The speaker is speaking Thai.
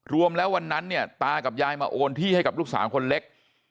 รวมแล้ววันนั้นเนี่ยตากับยายมาโอนที่ให้กับลูกสาวคนเล็ก